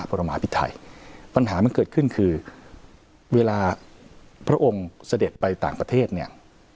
ประมาพิไทยปัญหามันเกิดขึ้นคือเวลาพระองค์เสด็จไปต่างประเทศเนี่ย